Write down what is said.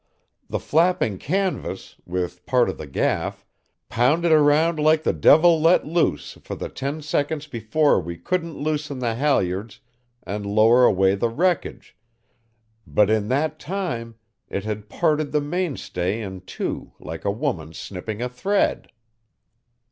The flapping canvas, with part of the gaff, pounded around like the devil let loose for the ten seconds before we couldn't loosen the halyards and lower away the wreckage, but in that time it had parted the mainstay in two like a woman snipping a thread.